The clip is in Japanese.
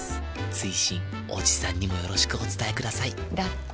追伸おじさんにもよろしくお伝えくださいだって。